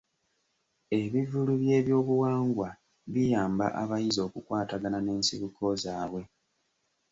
Ebivvulu by'ebyobuwangwa biyamba abayizi okukwatagana n'ensibuko zaabwe.